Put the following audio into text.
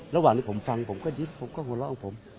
ระหว่างที่ผมฟังผมก็ยิบผมก็หล่องผม